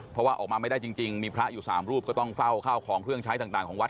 เพราะว่าออกมาไม่ได้จริงมีพระอยู่๓รูปก็ต้องเฝ้าข้าวของเครื่องใช้ต่างของวัด